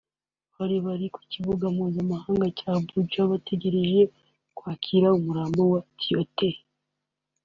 bari bari ku kibuga mpuzamahanga cy'indege cy'i Abidjan bategereje kwakira umurambo wa Tiote